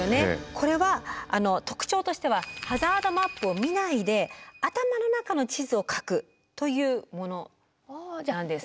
これは特徴としてはハザードマップを見ないで頭の中の地図を書くというものなんです。